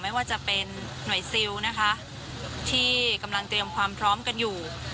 ไม่ว่าจะเป็นหน่วยซิลนะคะที่กำลังเตรียมความพร้อมกันอยู่